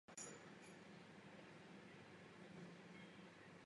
Formuloval program českého humanismu.